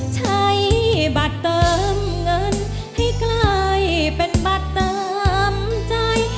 ใช้บัตรเติมเงินให้กลายเป็นบัตรเติมใจ